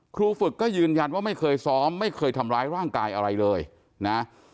ครูฝึกก็ยืนยันว่าไม่เคยซ้อมไม่เคยทำร้ายร่างกายอะไรเลยนะ